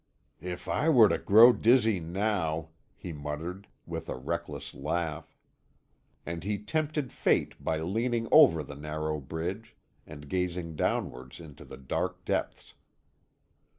"If I were to grow dizzy now!" he muttered, with a reckless laugh; and he tempted fate by leaning over the narrow bridge, and gazing downwards into the dark depths.